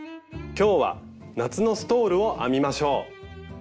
今日は夏のストールを編みましょう。